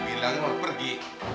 bilangnya mau pergi